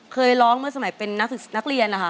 เคยร้องเมื่อสมัยเป็นนักเรียนนะคะ